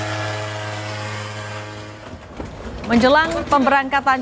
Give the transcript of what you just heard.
asrama haji embar kasi surabaya ibu l homemade side dish setan